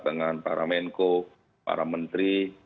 dengan para menko para menteri